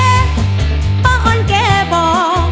เอ๊ะป้าออนเกบอก